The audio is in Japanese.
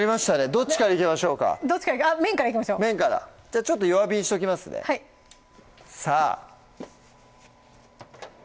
どっちからいきましょうか麺からいきましょう麺からじゃあちょっと弱火にしときますねさぁ！